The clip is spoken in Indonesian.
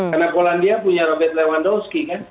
karena polandia punya robert lewandowski kan